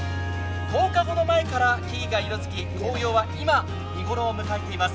１０日ほど前から木々が色づき、紅葉は今見ごろを迎えています。